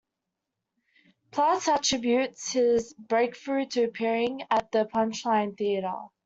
Platt attributes his breakthrough to appearing at the Punch Line Theater.